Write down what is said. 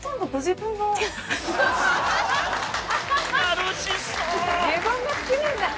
自分が好きなんだ。